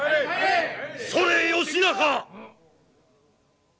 「それ義仲